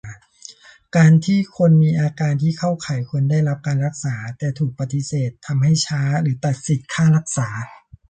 การที่คนมีอาการที่เข้าข่ายควรได้รับการรักษา แต่ถูกปฏิเสธ ทำให้ช้า หรือตัดสิทธิค่ารักษา